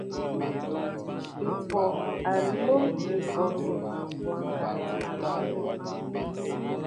Epoh a lóm Eboŋgue bwaŋga a jan.